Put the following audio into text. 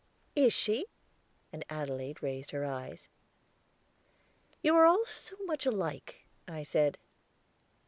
"Is she?" And Adelaide raised her eyes. "You are all so much alike," I said.